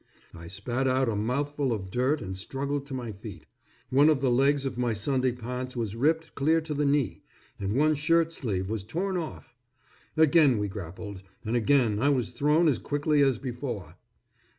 I spat out a mouthful of dirt and struggled to my feet. One of the legs of my Sunday pants was ripped clear to the knee, and one shirt sleeve was torn off. Again we grappled, and again I was thrown as quickly as before.